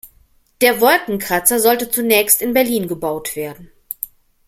Der Wolkenkratzer sollte zunächst in Berlin gebaut werden.